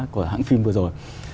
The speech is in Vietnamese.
của hãng phim vừa rồi